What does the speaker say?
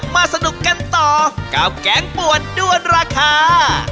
สนุกกันต่อกับแก๊งป่วนด้วนราคา